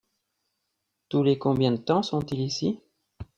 Tous les combien de temps sont-ils ici ?